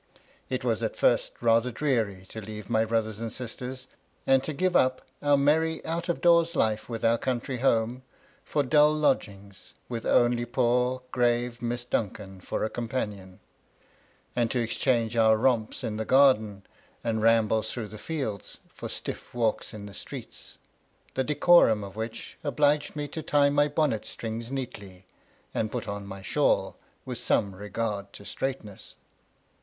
It was at first rather dreary to leave my brothers and sisters, and to give up our merry out of doors life with our country home, for dull lodgings, with only poor grave Miss Duncan for a companion ; and to exchange our romps in the garden and rambles through the fields for stiff walks in the streets, the decorum of which obliged me to tie my bonnet strings neatly, and put on my shawl with some regard to straightness.